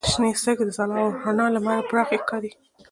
• شنې سترګې د ځلا او رڼا له امله پراخې ښکاري.